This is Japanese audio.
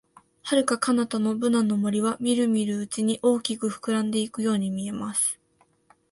遥か彼方のブナの森は、みるみるうちに大きく膨らんでいくように見えます。